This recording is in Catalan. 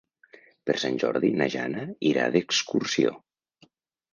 Per Sant Jordi na Jana irà d'excursió.